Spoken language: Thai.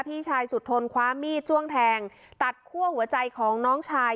พี่ชายสุดทนคว้ามีดจ้วงแทงตัดคั่วหัวใจของน้องชาย